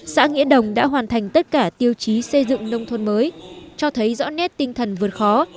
xã nghĩa đồng đã hoàn thành tất cả tiêu chí xây dựng nông thôn mới cho thấy rõ nét tinh thần vượt khó